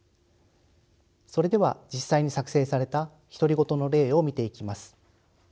それでは実際に作成された独り言の例を見ていきます。